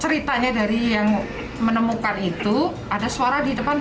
ceritanya dari yang menemukan itu ada suara di depan rumahnya diambil laporan ke rt